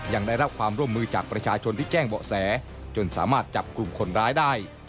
ยังได้รับความร่วมมือจากประชาชนที่แจ้งเบาะแสจนสามารถจับกลุ่มคนร้ายได้